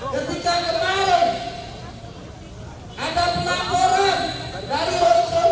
ketika kemarin ada pelaporan dari hukum hukum